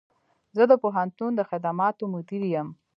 زه د پوهنتون د خدماتو مدیر یم